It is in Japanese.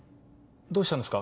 どうしたんですか？